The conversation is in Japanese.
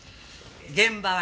現場はね